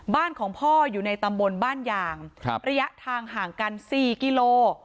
บ้านของพ่ออยู่ในตำบลบ้านยางระยะทางห่างกัน๔กิโล